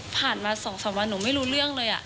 ผ่านมาสองสามวันหนูไม่รู้เรื่องเลย